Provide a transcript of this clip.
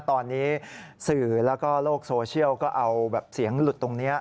ตอนนี้สื่อแล้วก็โลกโซเชียลก็เอาแบบเสียงหลุดตรงนี้